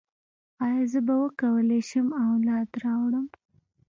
ایا زه به وکولی شم اولاد راوړم؟